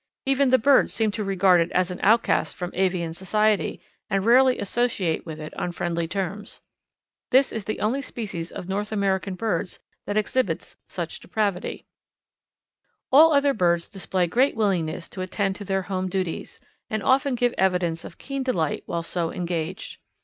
Even the birds seem to regard it as an outcast from avian society, and rarely associate with it on friendly terms. This is the only species of North American birds that exhibits such depravity. [Illustration: The Greedy Young Cowbird] All other birds display great willingness to attend to their home duties, and often give evidence of keen delight while so engaged.